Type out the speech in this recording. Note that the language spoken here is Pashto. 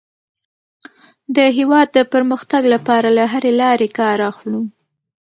د هېواد د پرمختګ لپاره له هرې لارې کار اخلو.